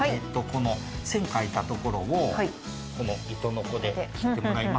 線書いたところをこの糸のこで切ってもらいます。